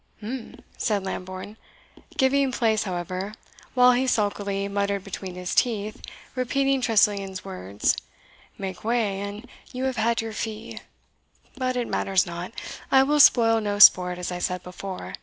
"Um!" said Lambourne, giving place, however, while he sulkily muttered between his teeth, repeating Tressilian's words, "Make way and you have had your fee; but it matters not, I will spoil no sport, as I said before.